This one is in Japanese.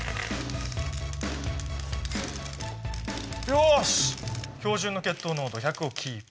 よし標準の血糖濃度１００をキープ。